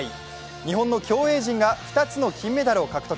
日本の競泳陣が２つの金メダルを獲得。